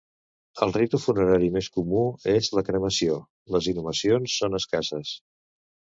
El ritu funerari més comú és la cremació, les inhumacions són escasses.